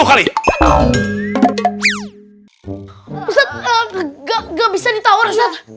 ustadz gak bisa ditawar ustadz